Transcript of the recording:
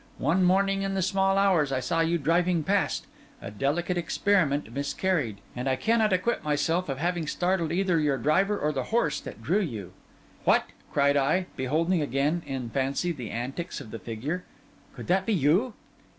One morning, in the small hours, I saw you driving past; a delicate experiment miscarried; and I cannot acquit myself of having startled either your driver or the horse that drew you.' 'What!' cried I, beholding again in fancy the antics of the figure, 'could that be you?